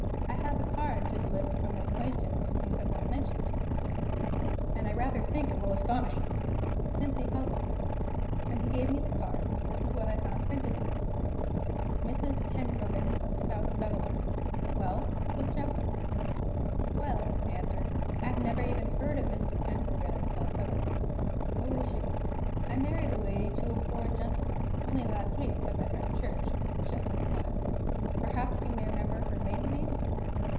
"I have a card to deliver from an acquaintance whom you have not mentioned," he said; "and I rather think it will astonish you." It simply puzzled me. When he gave me the card, this is what I found printed on it: "MRS. TENBRUGGEN (OF SOUTH BEVELAND)." "Well?" said the Chaplain. "Well," I answered; "I never even heard of Mrs. Tenbruggen, of South Beveland. Who is she?" "I married the lady to a foreign gentleman, only last week, at my friend's church," the Chaplain replied. "Perhaps you may remember her maiden name?"